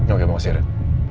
oke makasih ren